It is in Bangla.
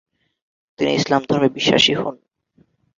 তিনি ইসলাম ধর্মে বিশ্বাসী হোন ।